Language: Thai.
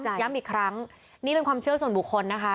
ย้ำอีกครั้งนี่เป็นความเชื่อส่วนบุคคลนะคะ